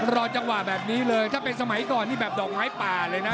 รอจังหวะแบบนี้เลยถ้าเป็นสมัยก่อนที่ดอกไว้เลยนะพี่ป่า